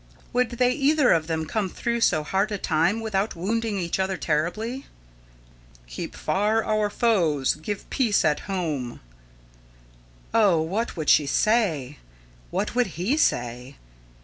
Would they either of them come through so hard a time without wounding each other terribly? "Keep far our foes; give peace at home" Oh! what could she say? What would he say?